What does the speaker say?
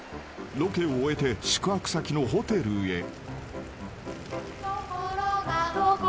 ［ロケを終えて宿泊先のホテルへ］